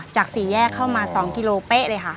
จากศรีแยกเข้ามา๒กิโลเบ๊ะเลยค่ะ